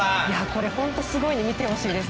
これ、本当にすごいんで見てほしいです。